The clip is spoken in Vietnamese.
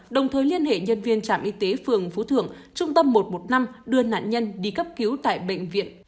đồng thời liên hệ nhân viên trạm y tế phường phú thượng trung tâm một trăm một mươi năm đưa nạn nhân đi cấp cứu tại bệnh viện